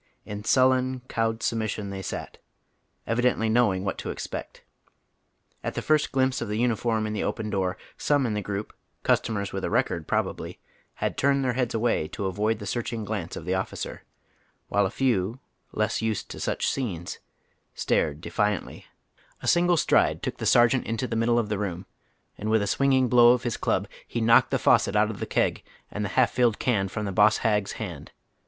In sullen, cowed submis sion they sat, evidently knowing what to expect. At the first glimpse of the uniform in the open door some in the group, customers with a record probably, had turned their lieads away to avoid the searching glance of the oy Google A EAIB ON THE STALE BEER DIVES. 73 officer ; while a few, less used to such scenes, stared defiantly, ' A single stride took the sergeant into the middle of the room, and with a swinging blow of his club he knocked the faucet out of the keg and the half filled can from the boss hag's hand.